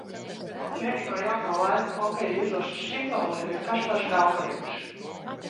Viens no jauno laiku hokeja izlases simboliem ir Kaspars Daugaviņš.